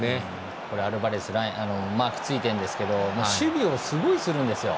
アルバレスがマークついてるんですけど守備をすごいするんですよ。